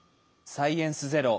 「サイエンスＺＥＲＯ」